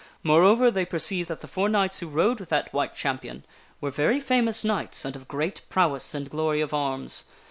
Moreover, they perceived that the four knights who rode with that White Champion were very famous knights and of great prowess and glory of arms.